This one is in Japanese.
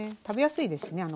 食べやすいですしね